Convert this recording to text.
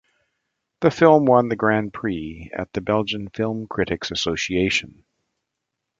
The film won the Grand Prix of the Belgian Film Critics Association.